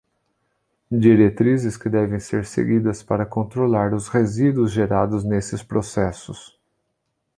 Diretrizes que devem ser seguidas para controlar os resíduos gerados nesses processos.